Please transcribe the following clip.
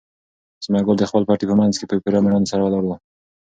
ثمر ګل د خپل پټي په منځ کې په پوره مېړانې سره ولاړ و.